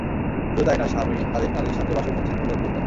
শুধু তা-ই নয়, স্বামী আরেক নারীর সঙ্গে বাসও করছেন বলে অভিযোগ তাঁর।